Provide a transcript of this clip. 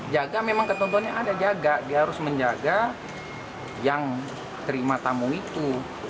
jaga memang ketentuannya ada jaga dia harus menjaga yang terima tamu itu